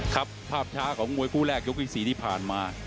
ครับภาพช้าของมวยคู่แรกยกที่๔ที่ผ่านมา